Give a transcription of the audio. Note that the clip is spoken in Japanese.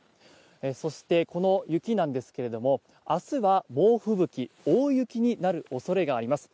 そして、この雪なんですけども明日は猛吹雪、大雪になる恐れがあります。